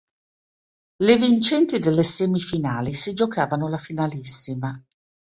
Le vincenti delle semifinali si giocavano la finalissima.